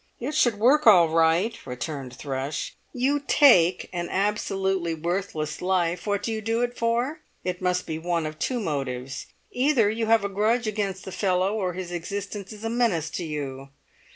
"It should work all right," returned Thrush. "You take an absolutely worthless life; what do you do it for? It must be one of two motives: either you have a grudge against the fellow or his existence is a menace to you.